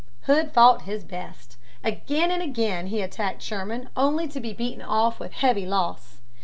Hood fought his best. Again and again he attacked Sherman only to be beaten off with heavy loss.